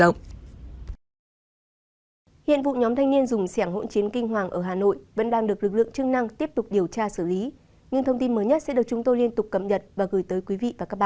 hiện vụ nhóm thanh niên dùng xẻng hỗn chiến kinh hoàng ở hà nội vẫn đang được lực lượng chức năng tiếp tục điều tra xử lý